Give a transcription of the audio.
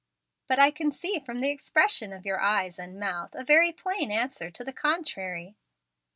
"But I can see from the expression of your eyes and mouth a very plain answer to the contrary.